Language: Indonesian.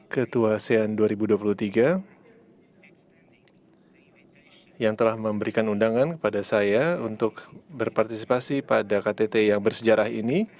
ketua asean dua ribu dua puluh tiga yang telah memberikan undangan kepada saya untuk berpartisipasi pada ktt yang bersejarah ini